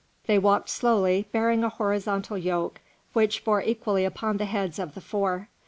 They walked slowly, bearing a horizontal yoke which bore equally upon the heads of the four.